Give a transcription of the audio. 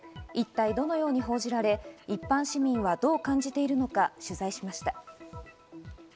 一体どのように報じられ、一般市民はどう感じているのか取材しました。